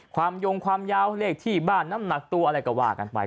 ยงความยาวเลขที่บ้านน้ำหนักตัวอะไรก็ว่ากันไป